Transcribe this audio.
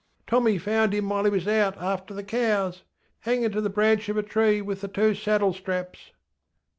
Tommy found him while he was out after the cows. HanginŌĆÖ to the branch of a tree with the two saddle straps.